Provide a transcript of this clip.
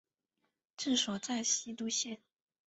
治所在西都县。